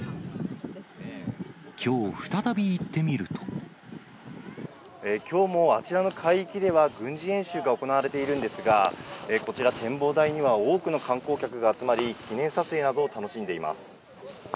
きょう、きょうもあちらの海域では、軍事演習が行われているんですが、こちら、展望台には多くの観光客が集まり、記念撮影などを楽しんでいます。